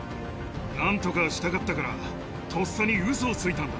なんとかしたかったから、とっさにうそをついたんだ。